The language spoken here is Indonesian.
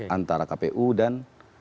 antara kpu dan